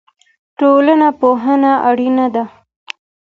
ټولنپوهنه اړینه ده.